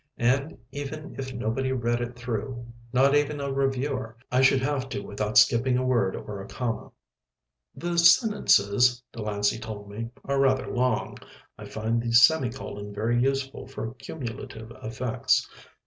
And even if nobody read it through, not even a reviewer, I should have to without skipping a word or a comma. "The sentences," Delancey told me, "are rather long. I find the semicolon very useful for cumulative effects."